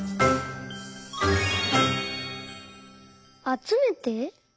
「あつめて」？